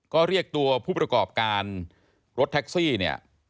ก็เรียกตัวผู้ประกอบการรถแท็กซี่เนี่ย